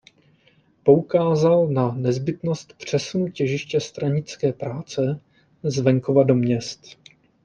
Poukázal na nezbytnost přesunu těžiště stranické práce z venkova do měst.